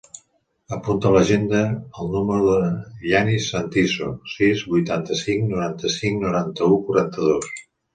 Apunta a l'agenda el número del Yanis Santiso: sis, vuitanta-cinc, noranta-cinc, noranta-u, quaranta-dos.